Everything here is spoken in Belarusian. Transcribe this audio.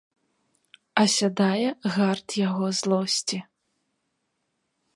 Асядае гарт яго злосці.